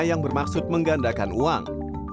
yang bermaksud menggandakan uang